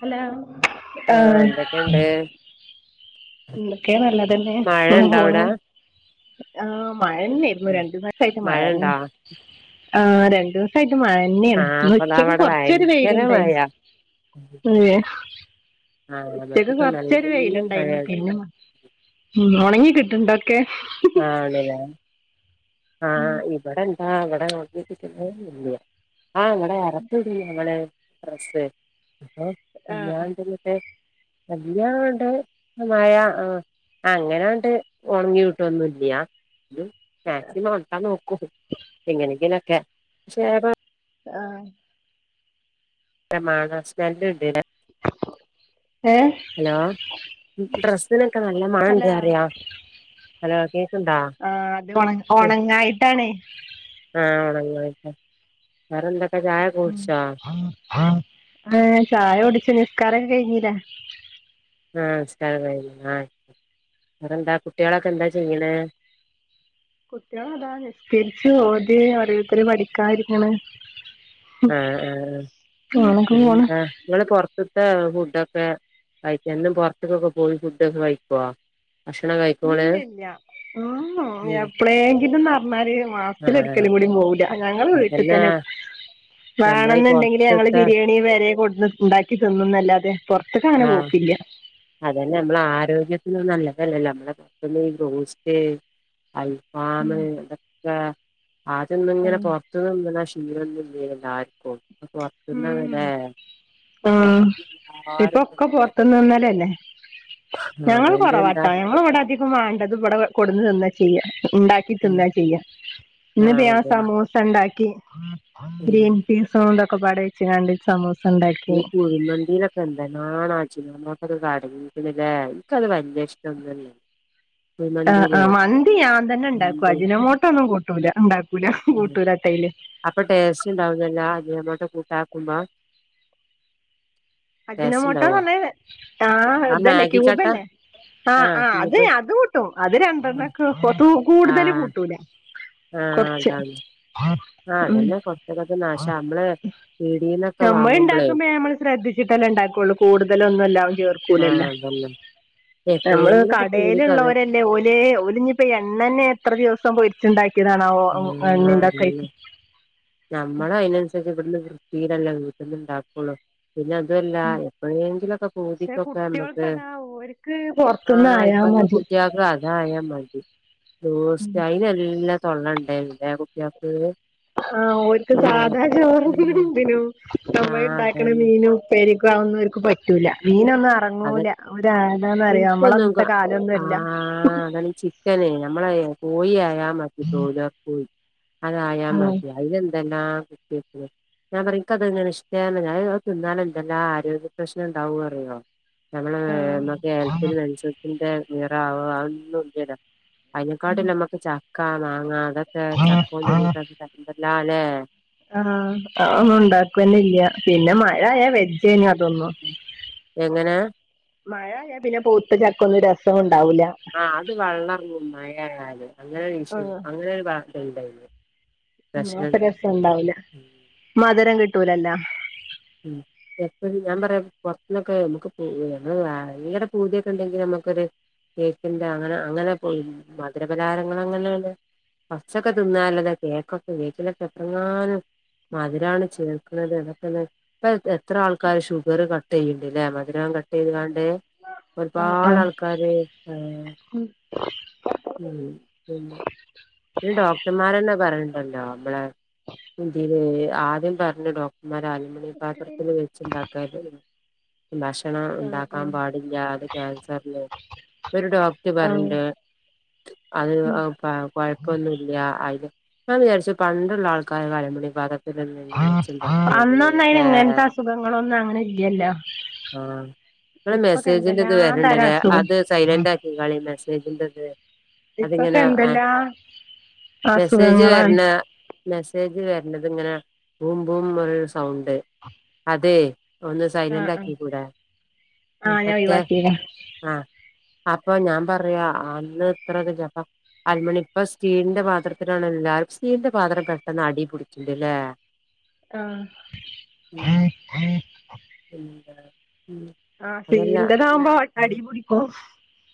Hello ആഹ് എന്തൊക്കെ നല്ലതന്നെ മഴ ഇങ്ങനെ ഇണ്ടോ പോണ്. അവിടെ ആ മഴ തന്നായിരുന്നു രണ്ടു [unintelligible] ദിസായിട്ട് മഴ തന്നെ മഴണ്ടോ ആ രണ്ടു ദിവസമായി മഴതന്നെയാണ് ആഹ് ഇന്ന് ഇപ്പതാ ഉച്ചക്ക് ഇവിടെ കൊറച്ചൊരു ഭയങ്കര വെയിലുണ്ടായിരുന്നു. മഴയാ ആഹ് ഉച്ചക്ക് ഇവിടൊക്കെ കൊറച്ചൊരു നല്ല വെയിലുണ്ടായിരുന്ന്. മഴയുണ്ട് പിന്നെ ഉണങ്ങി കി ആണ്ല്ലേ ആ ഉം ഇവിടെ ആ ഇവിടെ [unintelligible] ആ ഇവിടെ [unintelligible] ആഹ് [unintelligible] അല്ലാണ്ട് മഴാ ആ അങ്ങനാണ്ട് ഉണങ്ങി വി [unintelligible] ന്നില്ല്യാ മാക്സിമം ഉണക്കാൻ നോക്കും എങ്ങനെങ്കിലും ഒക്കെ [unintelligible] ആഹ് മണാ [unintelligible] ഏഹ് ഹലോ ഡ്രസ്സിലൊക്കെ നല്ല മണം ഉണ്ട് അറിയാ. ഹലോ കേക്ക്ണ്ടാ ആ അത് ഒണങ്ങ ഒണങ്ങായിട്ടണേ? ആഹ ഒണങ്ങായിട്ട വേറെന്തൊ. ആ [unintelligible] ചായ കുടിച്ചു നിസ്ക്കാര കഴിഞ്ഞില്ല. ആഹ് നിസ്കാരം [unintelligible] വേറെ എന്താ കുട്ടികളൊക്കെ എന്താ ചെയ്യണെ? കുട്ടികള അതാ നിസ്കരിച്ചു ഓതി ഓരോരുത്തര് പഠിക്കാനിരിക്കണ്. ആഹ ആ ആഹ് അങ്ങനൊക്കെ പോണ് പിന്നെന്താ നിങ്ങള് [unintelligible] [unintelligible] ത്തെ ഫുഡൊക്കെ കഴിക്ക എന്നും പൊറത്തേക്കൊക്കെ പോയി ഫുഡൊക്കെ കഴിക്കുവോ? ഇല്ല ഇല്ല ഉം എപ്പളെങ്കിലുംന്ന് പറഞ്ഞാല് മാസത്തില് ആഹ് ഒരിക്കലും പോലും പോവൂല്ല. ഞങ്ങള് വീട്ടിൽ അതന്നെ തന്നെ നമ്മളെ ഈ വേണെന്നുണ്ടെങ്കില് ഞങ്ങള് പൊറത്ത്ത്തെ ബിരിയാണി വരെ കൊടു ഉണ്ടാക്കി തിന്നുന്നല്ലാതെ. ആഹ അതന്നെ നമ്മള ആരോഗ്യം. നല്ലതല്ലല്ലോ നമ്മളെ പെട്ടെന്ന് [unintelligible] അൽഫാമ് ഉം ഇതൊക്കെ ആദ്യൊന്നും ഇങ്ങനെ ആഹ് പുറത്തുനിന്ന ശീല [unintelligible] ആഹ് പൊറത്ത്ന്നെല്ലാരും ദിപ്പം ഒക്കെ പൊറത്തുന്ന് നിന്നാലല്ലെ ആഹ് ഞങ്ങൾ അതോണ്ടെന്താ കൊറവാട്ടാ ഞങ്ങള് ഇവിടെ അധികം വേണ്ടത് ഇവിടെ കൊടുന്ന് തന്നെ ചെയ്യ ഉണ്ടാക്കി ഉം തിന്ന ചെയ്യ ഇന്നിത് ആഹ് ഞാ അതന്നെ സമോസ ഇണ്ടാക്കി ഉം ഗ്രീൻപീസും ഇതൊക്കെ പാടേവെച്ചുകാണ്ട് സമോസ ഈ കുഴിമന്തീലൊക്കെ എന്തെന്നാണാ മ്മക്കത് കടങ്ങിരിക്കുന്നില്ലേ ഇയ്ക്കത് വലിയ ഇഷ്ടം തന്നെ ആ ആ മന്തി ഞാൻ തന്നെ ണ്ടാക്കും എന്ത് അജിനോമോട്ടോന്നും കൂട്ടൂല ഉണ്ടാക്കും ഉം അപ്പൊ ടേസ്റ്റ് ഉണ്ടാവൂല്ലല്ലാ അജിനോമോട്ടോ [unintelligible] അജിനാമോട്ടോ പറഞ്ഞാ ആഹ് ആ ഇതല്ലേ മാഗി ചട്ട ക്യൂബല്ലെ? ആ ആഹ് ആ അത് ക്യൂബ് അത് കൂട്ടും അത് ആഹ് രണ്ടെണ്ണക്ക കൂടുതല് കൂട്ടൂല ആ അത കൊറച്ച് ആ ഉം അതന്നെ കൊറച്ചക്കക്ക നാശം നമ്മള് പിടീന്നൊക്കെ വാങ്ങുമ്പളേ ല ഉണ്ടാക്കുള്ളൂ കൂടുതലൊന്നും ഇല്ലാവ ആഹ് ചേർക്കൂലല്ല അതന്നെ നമ്മള് എപ്പോഴെങ്കിലൊക്കെ പൂതിക്ക് അതെ കടയിലുള്ളവരല്ലേ ഒല ഒലിഞ്ഞിപ്പോ എണ്ണനെ എത്ര ദിവസം പോയി ഉം അതല്ലെ നമ്മള അയിതിനനുസരി ഇവിടുന്ന് തീരല്ല വീട്ടന്നണ്ടാക്കള്ളൂ പിന്നെ അതുമല്ല പക്ഷെ എപ്പോഴെങ്കിലുക്കെ പൂതിക്കൊക്കെ കുട്ടികൾക്ക് നമ്മക്ക് അതാ ഓര്ക്ക് ആ പൊറത്തുന്ന് ആയാ ഇപ്പ മതി കുട്ടിയക്ക അതായ മതി ദോസ ഉം കൊള്ള ഉണ്ട കുട്ടിയക്ക് ആ ഓർ ക്കാവോന്നു ഉം ആഹ് അതന്നെ പറ്റൂല മീ ന്നും അത് ഇറങ്ങൂല ഒരരാന്നന്ന്റിയാം നമ്മള ഇൻക്കൊന്നും ക അന്നത്തെ കാലംന്നുംല്ല ആഹ് പോയി ആയാൽ മതി തോതാ പോയി അതായാ മതി അതിത്ന ആ വി ഞാൻ പറഞ്ഞിക്കതെങ്ങനെ ഇഷ്ടല്ല ഞൻത് തിന്നാലും എന്തെല്ലാ ആരോഗ്യ പ്രശ്നം ഉണ്ടാവ അറിയോ ആഹ് ഞമ്മമ്മക്ക് കേത്തിൽ മെസത്തിന്റെ നിറ ആവോ അതൊന്നുംല്ല അയ്‌നക്കാട്ട നമ്മക്ക് ചക്കാ മാങ്ങ അതൊക്കെ ചക്ക കൊണ്ട് കീട്ടാ തരല്ല അല്ലേ ആ ഒ ഉണ്ടാക്കന്ന ഇല്ല പിന്നെ മഴ ആയ വെജ് എങ്ങനെ മഴയാ പിന്നെ പൗത്ത ചക്ക ഒന്നു രസോ ആ അത് വെള്ളങ്ങും മഴായല് അങ്ങനെരു ഇഷ്യൂ അങ്ങനെ ഒരു ഭട്ട ഇണ്ടായിന്ന് ഉ രസംണ്ടാവൂല മധരം കിട്ടൂലല്ല ഉം എപ്പഴും ഞാൻ പറയാ പുറത്ത്നൊക്കെ നമുക്ക് ഇപ്പോ ടെ പൂതിയൊക്കെ ഉണ്ടെങ്കിൽ നമ്മ നക്കൊ കേക്കിന്റെ അങ്ങനെ അങ്ങനെ മധുരപലാരങ്ങ അങ്ങനെയള്ള പച്ചൊക്കെ തിന്നാലതാ കേക്കൊക്കെ കേക്കിലൊക്കെ എത്രങ്ങാനും മധുരാണ് ചേർക്കണുന്നത് എന്നതൊക്കെല്ല ഇപ്പ എത്ര ആൾക്കാർ ഷുഗർ കട്ട് ചെയ്യണ്ടല്ലേ മധുരം കട്ട് ചെയ്ത് കാണ്ടേ ആഹ് ഒരുപാട് ആഹ് ആൾക്കാര് ആ ഉ പിന്നേ ഡോക്ടർമാരന്നെ പറഞ്ഞിണ്ടല്ലോ നമ്മള ഇതി ആദ്യം പറഞ്ഞ ഡോക്ടർമാർ ആലുമിനിയം പാത്രത്തിന് വെച്ചുണ്ടാക്കാത് ഭക്ഷണം ആഹ് ഉണ്ടാക്കാൻ ആഹ് പാടില്ല അത് ക്യാൻസറിന് ഒരു ഡോക്ട് ആഹ് പറഞ്ഞണ്ട് അത്ഴ ഉം ഇപ്പൊന്നുംല്ല അ ഞാ വിചാരിച്ചു പണ്ടുള്ള ആൾക്കാർ കളമുണി പദത്തിന്നണ്ട അന്നൊന്ന അയിന് ഇങ്ങനത്തെ അസുഖങ്ങളൊന്നും അങ്ങനെ ഇല്ലല്ലോ ആ ഇള ഇപ്പൊക്കെ മെസ്സേജിന്റെറ ഇത് എന്തെല്ലാം തരം വരണ്ടല്ലേ അസുഖം അത് സൈലന്റ് ആക്കി കാളി മെസ്സേജിന്റെത് ഇപ്പൊക്കെ അതിങ്ങനെ എന്തല്ലാ മെസ്സേജ് വരണ മെസ്സേജ് മെസേജ് വെര്ണത്ങ്ങനെ ബും ബും പോലൊര് സൗണ്ട് അതേയ് ഒന്ന് ആഹ് സൈലന്റ് ആക്കി ആഹ് കൂടെ ആഹ് ഞാൻ പറ്റേ ഒഴിവാക്കിയതാ ആ അപ്പൊ ഞാൻ പറയാ അന്ന് ഇത്രത് ല്ലപ്പൊ അൽമണി ഇപ്പൊ സ്റ്റീലിന്റെ പാത്ര ആ പിന്നെന്താ ആ സ്റ്റീൽൻ്റതാവുമ്പൊ അടീപിടിക്കും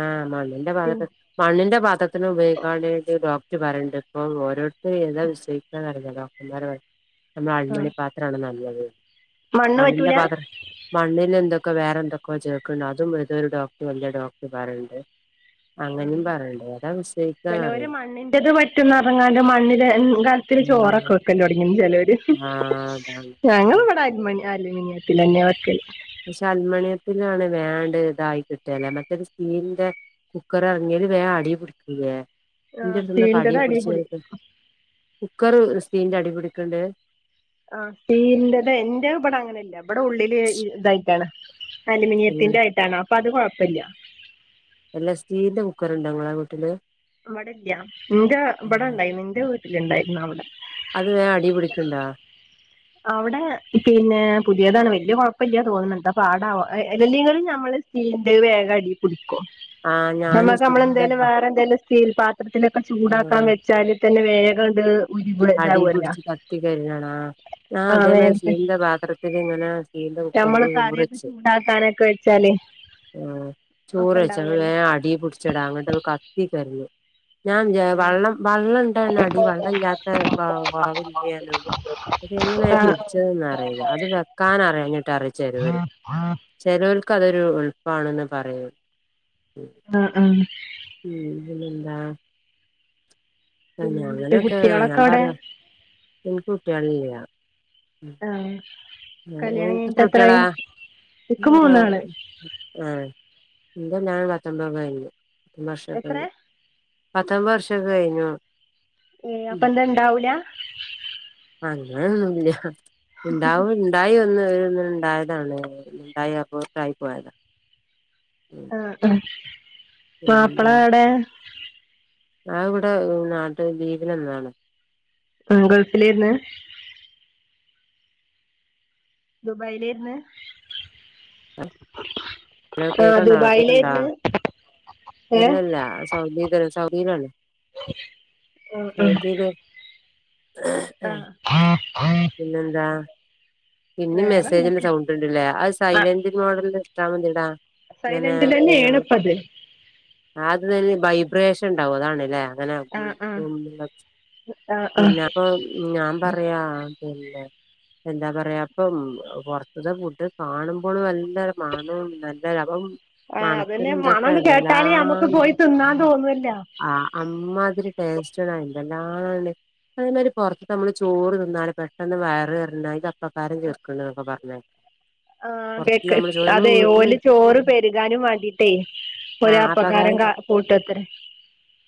ആ മണ്ണിന്റെ പാത്രതി മണ്ണിന്റെ പാതത്തിന് ഉപയോഗിക്കാൻ വേണ്ടീട്ട് ഡോക്ടർ പറിണ്ട് ഇപ്പൊം ഓരോരുത്തര് ഏതാ വിസ്വയികാന്നറീല ഡോക്ടർമാർ പറി അമ്മളൽമിണി ആഹ് പാത്രാണ് നല്ലത് മണ്ണ് മണ്ണിന്റെ പറ്റൂല പാത്ര മണ്ണിൽ എന്തൊക് ഒക്കെ വേറെന്തൊക്കോ ചേർക്ക്ണ്ട് അതും ഏതോരു ഡോക്ടർ വെല്ല്യൊരു ഡോക്ടർ പറിണ്ട് അങ്ങനിം പറിണ്ട് അതാ ചെലോര് മണ്ണിന്റത് പറ്റുംന്നർഞ്ങ്ങാണ്ട് മണ്ണില് കൽത്തില് ചോറൊക്കെ വെക്കല്ലൊട്ങ്ങീണ് ചെലോര് ആ അതാണ് മ്മ് ഞങ്ങളിവിടെ [unintelligible] ലാണെ വേആണ്ട് ഇതായി കിട്ടേല മറ്റത് സ്റ്റീൽൻ്റെ കുക്കറാങ്ങി അയില് വേം അടീ പിടികൂലെ ആഹ് ഇന്റെട്ത്ത്ള്ളൊകടീ സ്റ്റീലിന്റത് അടി പിടി പിടിച്ച്ങ്ങാട്ട് കുക്കറ് സ്റ്റീൽന്റെ അടീപിടിക്ക്ണ്ട് ആ സ്റ്റീൽൻ്റെത് ഇൻ്റെ ബടങ്ങനെല്ല ബടെ ഉള്ളില് ഇതായിട്ടാണ് എങ്ങനെ അലുമിനിയത്തിന്റായിട്ടാണ് അപ്പൊ അത് കൊഴപ്പല്ല എല്ലാ സ്റ്റീൽന്റെ കുക്കറ്ണ്ടൊ ഇങ്ങളെ വീട്ടില് ഇവിടെ ഇല്ല ഇന്റെ ഇബടെണ്ടായിന്നു ഇന്റെ വീട്ടില്ണ്ടായിരുന്നു അവടെ അത് വേം അടീപിടിക്ക്ണ്ടാ അവിടെ പിന്നെ പുതിയേതാണ് വെയല്ല്യ കൊഴപ്പല്ല്യാ തോന്ന്ണ് എന്താ പാടാവോ എല്ലെങ്കിലും ഞമ്മള് സ്റ്റീൽൻ്റെ വേഗടീപിടികോ ആഹ് ഞാന് ഞമ്മക് സ്റ്റീലിന്റെ ഞമ്മളെന്തേലും വേറെന്തേലും സ്റ്റീൽ പാത്രത്തിനൊക്കെ ചൂടാക്കാൻ വെച്ചാൽ തന്നെ വേഗാട്ട് അടീ പിടിച്ച് കത്തി കരിഞ്ഞാണോ ആ ഞാൻ അതേമാരി സീലിന്റെ പാത്രത്തിലിങ്ങനെ ഞമ്മള് കറിയയൊക്കെ ചൂടാക്കാനൊക്കെ വെച്ചാല് ആ ഒക്കെ ചോറ് വെച്ച ന്നട്ട് വേ ഉണ്ടാവുമല്ലോ അടീ പുട്ച്ചെടാ ങ്ങട്ട് കത്തി കര്ഞ്ഞു ഞാൻ വിജാ വള്ളം വള്ളം ഇണ്ടാണ് അടീ വള്ളം ഇല്ലാത്ത കൊറവില്ലേനും അത് എങ്ങനെ ആ പിട്ചത് അറിയില്ല അത് വെക്കാൻ അറിയാഞ്ഞിട്ടാറ് ചെലോർക്ക് ആ ചെലോൽക്കതൊരു എൾപ്പാണെന്ന് പറയും ആ ആ ഉം പിന്നെന്താ ആ പിന്നെ എന്തൊക്കെ അങ്ങനൊകെ കുട്ടികളൊക്കെ ഞമ് പറ അവിടെ ഇൻക് കുട്ട്യാളില്ല ആഹ് മ്മ് കല്യാണം ഓൾകെത്ര കഴിഞ്ഞിട്ട് കുട്ട്യാളാ എത്രായി ഇക്ക് മ് ഒരാൾ മൂന്നാള് ആ [unintelligible] ഓര് വർഷം എത്രേ കഴിഞ്ഞു പത്തൊൻമ്പത് വർഷൊക്കെ കഴിഞ്ഞോ ഏ അപ്പൊ എന്താ ഇണ്ടാവൂല അങ്ങനൊന്നുല്ല ഇണ്ടാവും ഇണ്ടായി ഒന്ന് ഒന്ന് ഇണ്ടായതാണ് ഇണ്ടായി അപോർട്ടായി പോയതാ ഉം ആ ആ മാപ്പള ഏടയാ ആ ഇവ്ടെ നാട്ട് ലീവ്നന്നാണ് ആ ഗൾഫിലേര്ന്ന് ദുബായിലേര്ന്ന് ഹലോ ആഹ് കേക്കാണ്ടാ കേക്ക്ണ്ടാ ദുബായിലായിരുന്നു ഏഹ് എല്ലല്ലാ സൗദി തന്നേ സൗദീലാണ് ആഹ് സൗദീല് ആഹ് ആഹ് പിന്നെന്താ പിന്നിം മെസ്സേജ്ന്റെ വേറെന്തൊക്കെ സൗണ്ട് ഇണ്ട്ല്ലേ അത് ആഹ് സൈലന്റ് മോഡ്ല് ഇട്ടാ മതീട്ടാ ഇങ്ങനെ ങ്ങനെ സൈലന്റിലന്നെയാണ് ഇപ്പത് ആദ്യം തന്നെ ഈ വൈബ്രേഷൻ ഇണ്ടാവും അതാണ്ല്ലേ? ഇങ്ങനെ ഹും ആഹ് ആഹ് ഹുംന്ന്ള്ളത്. ആഹ് ആഹ് പിന്നെപ്പൊ ഞാൻ പറയാ ഇല്ല എന്താ പറയാപ്പം പൊറത്ത്ത് ഫുഡ് കാണുമ്പൊളു [unintelligible] നല്ല മണോം നല്ലരു അപ്പം ആഹ് അതന്നെ മണത്തിനും തൊക്കെ മണാണ്ട് കേട്ടാല് നമ്മക്ക് എന്തെല്ലാണ് പോയി തിന്നാൻ തോന്നുവല്ലോ ആ അമ്മാതിരി ടേസ്റ്റാണ് എന്തെല്ലാണ്ട് അതേമായിരി പൊറത്ത്ന്നമ്മള് ചോറ് തിന്നാല് പെട്ടെന്ന് വയറ് എറഞ്ഞാൽ അയിൽ അപ്പക്കാരം ചേർക്ക്ണ്ട്ന്നൊക്കെ പറഞ്ഞ് ആ ബേക്ക് അതെ വീട്ട്ന്ന് ഓല് ചോറ് പെരുകാനും വേണ്ടീട്ടേ ഓര് അപ്പക്കാരം കാ കൂട്ടുവത്രേ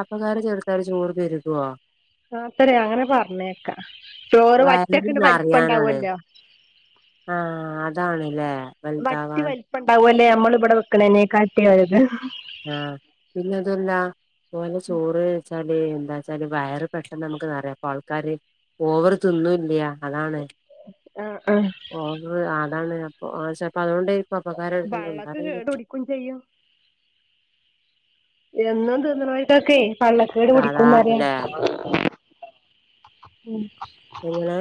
അപ്പക്കാരം ചെറുത്തവര് ചോറ് തരും. ആത്തരെ അങ്ങനെ പറഞ്ഞേക്കാ ചോറ് വറ്റൊക്കങ്ങട്ട് വലിപ്പം ഇണ്ടാവല്ലോ ആ അതാണ്ല്ലേ വല്താവാൻ ഓലെ നമ്മള്ബടെ വെക്കണേനെ കാട്ടി ആയത്. ആ പിന്നെതൊല്ലാ ഓലെ ചോറ് ല് എന്താച്ചാല് വയറ് പെട്ടെന്ന് അമുക്ക് നറയും അപ്പൊ ആൾക്കാര് ഓവറ് തിന്നുംല്ല്യാ അതാണ് ആഹ് ആഹ് ഓവ് ആ അതാണ് അപ്പൊ ആ ചെലപ്പോ അതൊണ്ടെ ഇപ്പപ്പക്കാരോ പള്ളക്ക് കേട് [unintelligible] പിടിക്കും ചെയ്യും എന്നും തിന്ന്ണോൽക്കൊക്കേ പള്ളക്കേട് പിടിക്കുംന്നറിയാ സാധാതല്ലേ ഉം പിന്നെ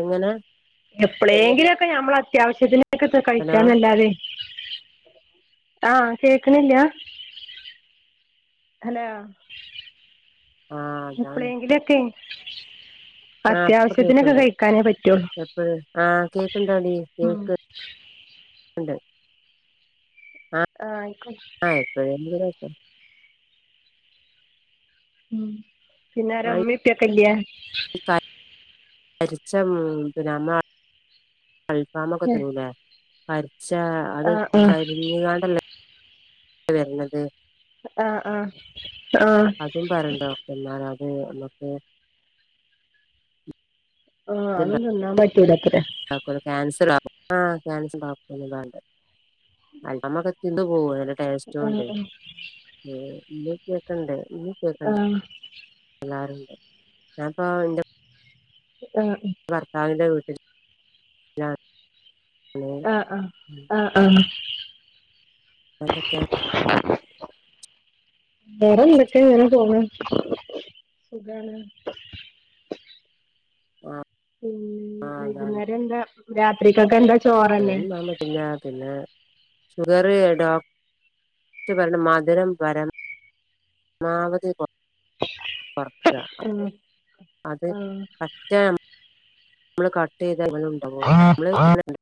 എങ്ങനെ? എപ്പളേങ്കിലുക്കെ ഞമ്മളെ അത്യാവശ്യത്തിന്ക്കെ ഹലോ കഴിക്കാന്നല്ലാതെ ആംകേക്ക്‌ണില്ലാ ഹലോ ആ അതാണ് എപ്ളേങ്കിലൊക്കെ ആ പ്പ കേക്ക്‌ണ്ട്. കഴിക്കാനേ പറ്റുള്ളൂ എപ്പഴ് ആ കേക്ക്ണ്ടാടിീ ഉം കേക്ക് ഇണ്ട് ആ ആഹ് ആയിക്കോട്ടെ ആ എപ്പഴേങ്കിലുംലേശം ഉം ആ പിന്നാരാമ്മീംപ്പ്യക്കല്ല്യേ [unintelligible] അൽഫാമൊക്കെ തരൂലേ കരിച്ച അത് ആഹ് ആഹ് കരിഞ്ഞ്ങ്കാണ്ടല്ലേ വെര്ണത് ആ ആ ആ എ ന്നൊക്കെ? ആഹ് ണ്ടാ അതൊന്നും തിന്നാൻ പറ്റൂലത്രേ ക്കു അത് ക്യാൻസലാ ആ ക്യാൻസൽ [unintelligible] അൽഫാമൊക്കെ തിന്ന് പോവും അതിന്റെ ആഹ് ടേസ്റ്റോണ്ടേ ഏ ഇല്ല കേക്കണ്ട്. ഞ്ഞികേക്കണ്ട ആഹ് എല്ലാരൂണ്ട് ഞാപ്പോ ഇന്റെ ആഹ് ഭർത്താവിന്റെ വീട്ടില് ലാണ് ആ ആ ആ ആ എന്ക്കെ? [inaudible] വേറെന്തൊക്കെ ഇങ്ങനെ പോണു. സുഖാണ് ആ പി ആ അതാണ് വൈകുന്നേരന്താ രാത്രിക്കൊക്കെന്താ ചോറന്നെ ഷുഗറ് ഡോക്ടറ് പറീണെ മധുരം പരമ് മാവതി കൊ കൊറക്കാ. അത് പറ്റ മ്മള് കട്ടീയ് വല്ലതും ഇണ്ടാവോ ആഹ് ആഹ് മ്മള്